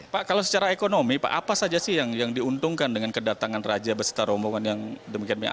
pak kalau secara ekonomi pak apa saja sih yang diuntungkan dengan kedatangan raja beserta rombongan yang demikian banyak